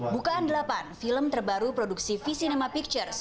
bukaan delapan film terbaru produksi v cinema pictures